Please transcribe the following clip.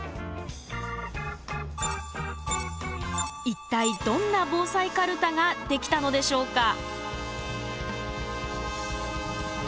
一体どんな防災かるたができたのでしょうか。